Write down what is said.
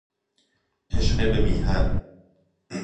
عشق به میهن